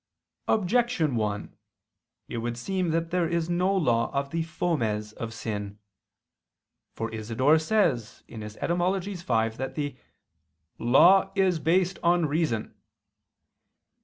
Objection 1: It would seem that there is no law of the fomes of sin. For Isidore says (Etym. v) that the "law is based on reason."